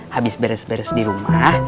habis beres beres dirumah